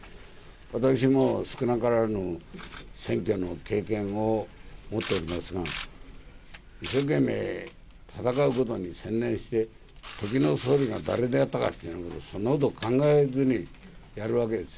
私も少なからず選挙の経験を持っておりますが、一生懸命戦うことに専念して、時の総理が誰であったかって、そんなことを考えずにやるわけです。